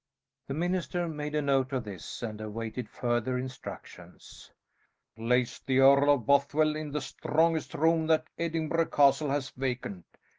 The minister made a note of this and awaited further instructions. "Place the Earl of Bothwell in the strongest room that Edinburgh Castle has vacant.